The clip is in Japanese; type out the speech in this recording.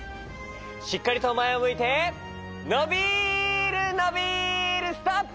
しっかりとまえをむいてのびるのびるストップ！